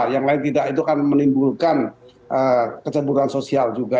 yang lain tidak itu akan menimbulkan kecemburan sosial juga